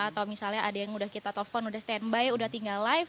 atau misalnya ada yang udah kita telepon udah standby udah tinggal live